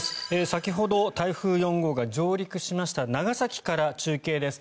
先ほど、台風４号が上陸しました長崎から中継です。